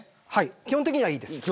基本的にはいいです。